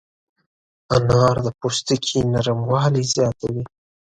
انار د پوستکي نرموالی زیاتوي.